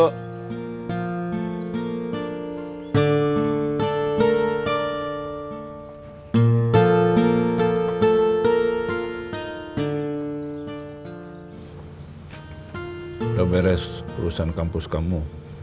sudah beres urusan kampus kamu